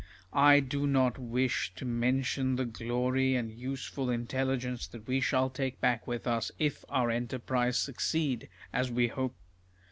I do not wish to mention the glory and useful intelli gence that we shall take back with us, if our enterprise succeed, as we hope.